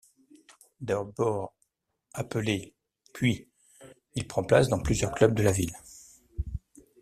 D'abord appelé ', puis ', il prend place dans plusieurs clubs de la ville.